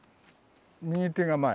右手が前。